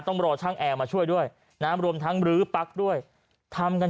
ต้องรอช่างแอร์มาช่วยด้วยนะรวมทั้งรื้อปั๊กด้วยทำกัน